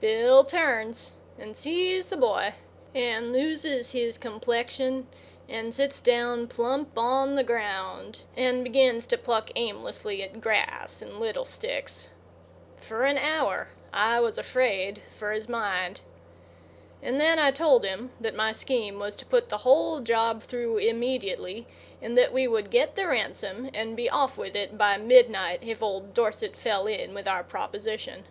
Bill turns and sees the boy, and loses his complexion and sits down plump on the round and begins to pluck aimlessly at grass and little sticks. For an hour I was afraid for his mind. And then I told him that my scheme was to put the whole job through immediately and that we would get the ransom and be off with it by midnight if old Dorset fell in with our proposition.